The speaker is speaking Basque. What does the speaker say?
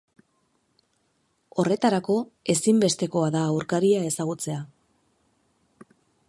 Horretarako ezinbestekoa da aurkaria ezagutzea.